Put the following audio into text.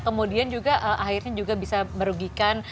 kemudian juga akhirnya juga bisa merugikan